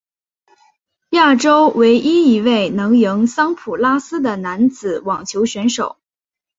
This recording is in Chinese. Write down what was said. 亚洲唯一一位能赢桑普拉斯的男子网球选手。